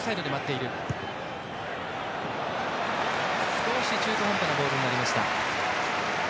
少し中途半端なボールでした。